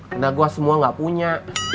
karena gue semua gak punya